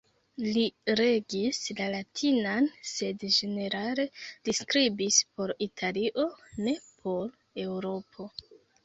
Li regis la latinan, sed ĝenerale li skribis por Italio, ne por Eŭropo.